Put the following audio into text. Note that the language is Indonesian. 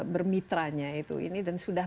bermitranya itu dan sudah